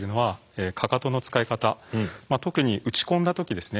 特に打ち込んだ時ですね。